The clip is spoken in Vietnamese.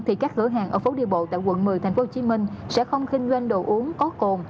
thì các cửa hàng ở phố đi bộ tại quận một mươi tp hcm sẽ không kinh doanh đồ uống có cồn